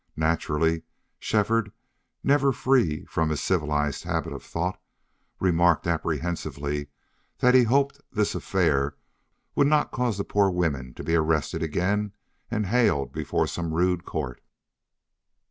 Naturally Shefford, never free from his civilized habit of thought, remarked apprehensively that he hoped this affair would not cause the poor women to be arrested again and haled before some rude court.